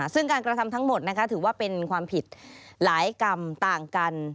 ซึ่งการกระทำทั้งหมดถือว่าเป็นความผิดหลายกรรมต่างกัน